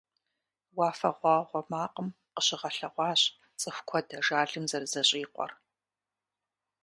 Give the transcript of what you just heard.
«Уафэгъуагъуэ макъым» къыщыгъэлъэгъуащ цӀыху куэд ажалым зэрызэщӀикъуэр.